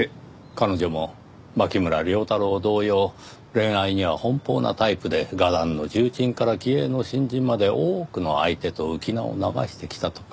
彼女も牧村遼太郎同様恋愛には奔放なタイプで画壇の重鎮から気鋭の新人まで多くの相手と浮名を流してきたとか。